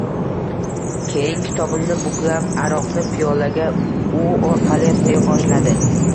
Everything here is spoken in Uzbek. Keyin kitobimni buklab, aroqni piyolaga u orqali quya boshladi